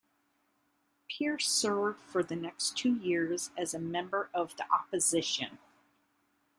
Pierce served for the next two years as a member of the opposition.